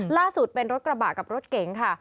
ล่าสุดเป็นรถกระบะกับรถเก๋งค่ะ